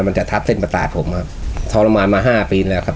มันจะทับเส้นประตาดผมทศลมันมา๕ปีแล้วครับ